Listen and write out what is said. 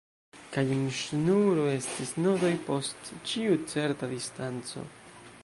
Kaj en ŝnuro estis nodoj post ĉiu certa distanco.